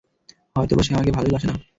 হয়তোবা সে আমাকে ভালোই বাসে না।